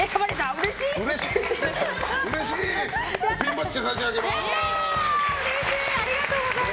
うれしい。